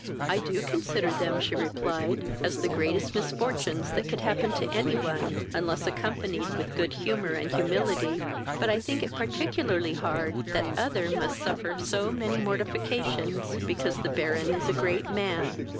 "I do consider them (she replied) as the greatest misfortunes that could happen to any one, unless accompanied with good humour and humility; but I think it particularly hard that other must suffer so many mortifications because the Baron is a great man."